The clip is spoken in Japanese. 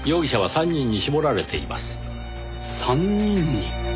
３人に？